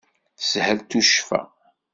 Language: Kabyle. Teshel tuccfa.